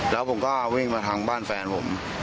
แล้วผมก็วิ่งมาทางบ้านแฟนผม